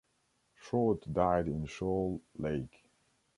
Short died in Shoal Lake.